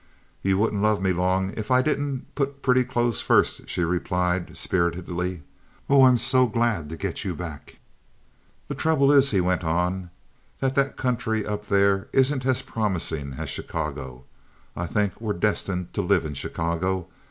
"You wouldn't love me long if I didn't put pretty clothes first," she replied, spiritedly. "Oh, I'm so glad to get you back!" "The trouble is," he went on, "that that country up there isn't as promising as Chicago. I think we're destined to live in Chicago.